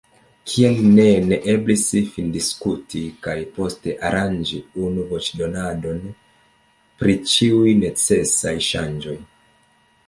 Kial ne ne eblis findiskuti kaj poste aranĝi unu voĉdonadon pri ĉiuj necesaj ŝanĝoj?